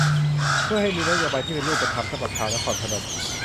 เพื่อให้มีนโยบายที่เป็นรูปธรรมสำหรับชาวนครพนม